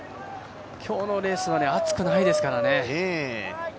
今日のレースは暑くないですからね。